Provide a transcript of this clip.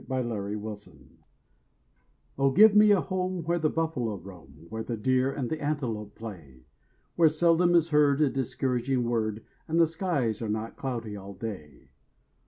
A HOME ON THE RANGE Oh, give me a home where the buffalo roam, Where the deer and the antelope play, Where seldom is heard a discouraging word And the skies are not cloudy all day.